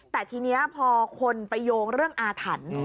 แต่ทีนี้พอคนไปโยงเรื่องอาถรรพ์